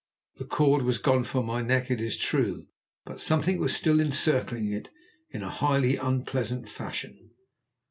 The cord was gone from my neck, it is true, but something was still encircling it in a highly unpleasant fashion.